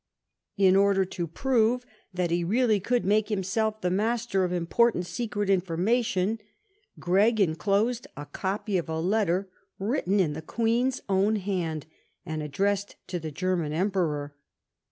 In order to prove that he really could make himself the master of im portant secret information, Gregg enclosed a copy of a letter written in the Queen's own hand and addressed to the German Emperor.